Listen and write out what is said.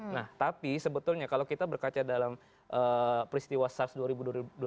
nah tapi sebetulnya kalau kita berkaca dalam peristiwa sars cov dua